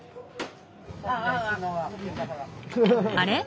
あれ？